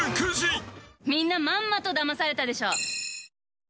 みんな、まんまとだまされたでしょ。